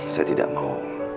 saya tidak mau